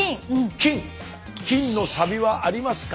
金のサビはありますか？